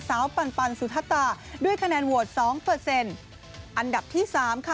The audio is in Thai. ปันปันสุธตาด้วยคะแนนโหวตสองเปอร์เซ็นต์อันดับที่สามค่ะ